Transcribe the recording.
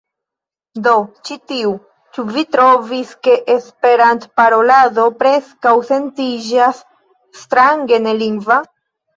Do ĉi tiu, "Ĉu vi trovis ke Esperantparolado preskaŭ sentiĝas strange nelingva?"